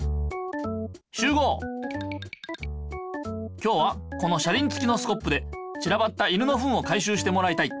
今日はこの車りんつきのスコップでちらばった犬のフンを回しゅうしてもらいたい。